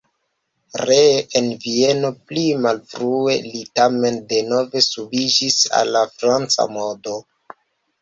Ree en Vieno pli malfrue li tamen denove subiĝis al la franca modo.